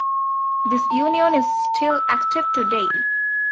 This union is still active today.